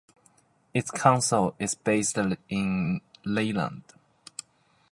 Its council is based in Leyland.